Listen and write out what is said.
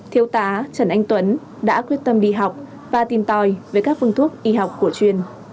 thiếu tá trần anh tuấn đã quyết tâm đi học và tìm tòi với các phương thuốc y học của chuyên